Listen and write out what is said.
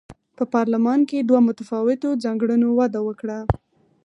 په پارلمان کې دوه متفاوتو ځانګړنو وده وکړه.